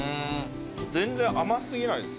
全然甘過ぎないです。